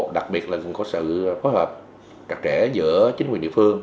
đặc biệt là có sự phối hợp đặc trẻ giữa chính quyền địa phương